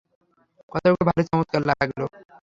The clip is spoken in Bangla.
কথাগুলো ভারী চমৎকার লাগল।